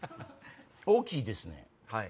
「大きいですね」。